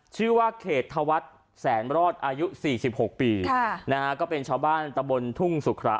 ชื่อว่าเขตธวัฒน์แสนรอดอายุ๔๖ปีก็เป็นชาวบ้านตะบนทุ่งสุขระ